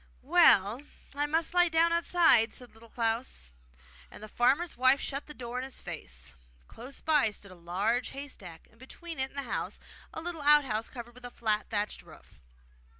'Well, I must lie down outside,' said Little Klaus; and the farmer's wife shut the door in his face. Close by stood a large haystack, and between it and the house a little out house, covered with a flat thatched roof.